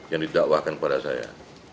yang didakwakan kepada saya